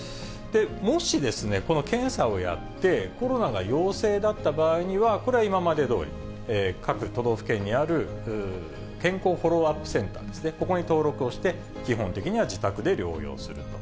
もしこの検査をやって、コロナが陽性だった場合には、これは今までどおり、各都道府県にある健康フォローアップセンターですね、ここに登録をして、基本的には自宅で療養する。